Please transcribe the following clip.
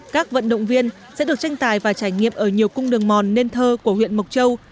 các vận động viên sẽ được tranh tài và trải nghiệm ở nhiều cung đường mòn nên thơ của huyện mộc châu